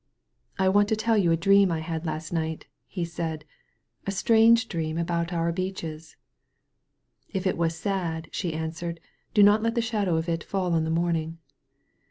"I want to teU you a dream I had last night," he said, a strange dream about our beeches." "If it was sad," she answered, "do not let the shadow of it fall on the morning."